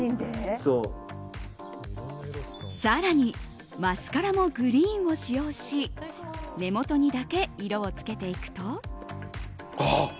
更にマスカラもグリーンを使用し根元にだけ色を付けていくと。